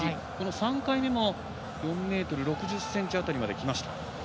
３回目も４ｍ６０ｃｍ辺りまできました。